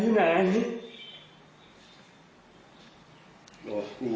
นี่ไงดังนั้นเลย